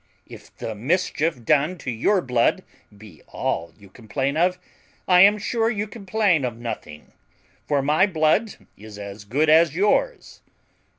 If the mischief done to your blood be all you complain of, I am sure you complain of nothing; for my blood is as good as yours."